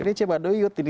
ini cibaduyut ini